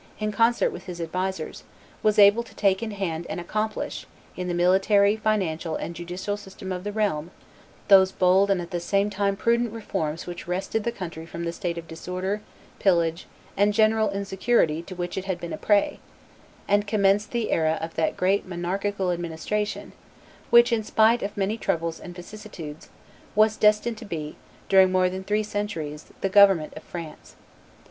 in concert with his advisers, was able to take in hand and accomplish, in the military, financial, and judicial system of the realm, those bold and at the same time prudent reforms which wrested the country from the state of disorder, pillage, and general insecurity to which it had been a prey, and commenced the era of that great monarchical administration, which, in spite of many troubles and vicissitudes, was destined to be, during more than three centuries, the government of France.